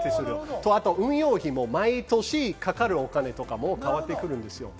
あと運用費も毎年かかるお金とかも変わってくるんですよ。